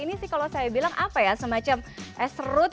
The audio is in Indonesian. ini sih kalau saya bilang apa ya semacam es serut